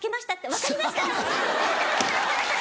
「分かりました！」。